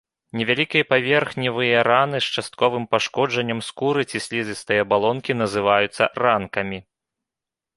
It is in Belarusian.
Невялікія паверхневыя раны з частковым пашкоджаннем скуры ці слізістай абалонкі называюцца ранкамі.